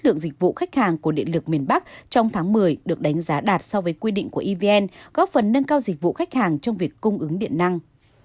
lượng dịch vụ khách hàng của điện lực miền bắc trong tháng một mươi được đánh giá đạt so với quy định của evn góp phần nâng cao dịch vụ khách hàng trong việc cung ứng điện năng